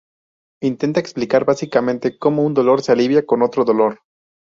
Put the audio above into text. Intenta explicar básicamente como un dolor, se alivia con otro dolor.